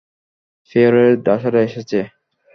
ফ্রেয়রের দাসেরা এসেছে।